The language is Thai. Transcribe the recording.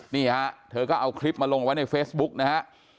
นี่ฮะเธอก็เอาคลิปมาลงไว้ในเฟซบุ๊กนะฮะ